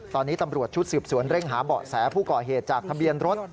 ตอนนี้ตำรวจชุดสืบสวนเร่งหาเบาะแสผู้ก่อเหตุจากทะเบียนรถ